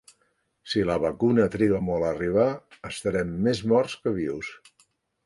Si la vacuna triga molt a arribar, estarem més morts que vius.